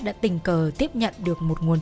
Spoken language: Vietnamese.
đã tình cờ tiếp nhận được một nguồn tin